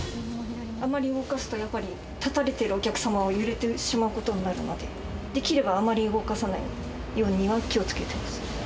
あまり動かすと、やっぱり立たれてるお客様が揺れてしまうことになるので、できればあまり動かないようには気をつけてます。